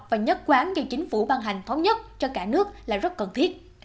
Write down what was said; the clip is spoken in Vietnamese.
và nhất quán khi chính phủ ban hành thống nhất cho cả nước là rất cần thiết